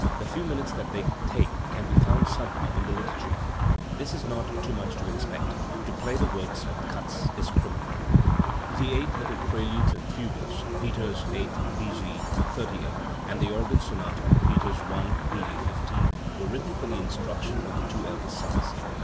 The few minutes that they take can be found somehow in the liturgy. This is not too much to expect; to play the works with "cuts" is criminal. 278 XIII. The Organ Works, The Eight little preludes and fugues (Peters VIII, B. G. XXXVIII), and the organ sonata (Peters I, B. G. XV) were written for the instruction of the two eldest sons.